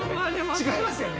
違いますよね？